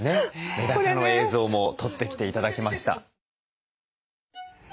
メダカの映像も撮ってきて頂きました。